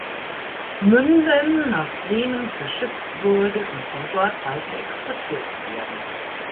Münden nach Bremen verschifft wurde, um von dort weiter exportiert zu werden.